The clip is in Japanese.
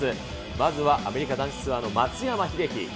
まずはアメリカ男子ツアーの松山英樹。